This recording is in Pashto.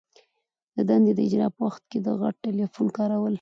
د دندي د اجرا په وخت کي د غټ ټلیفون کارول.